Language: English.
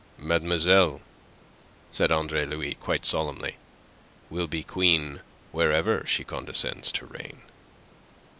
"Mademoiselle," said Andre Louis, quite solemnly, "will be queen wherever she condescends to reign."